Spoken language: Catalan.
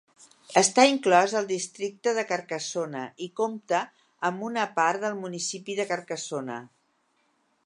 Està inclòs al districte de Carcassona i compta amb una part del municipi de Carcassona.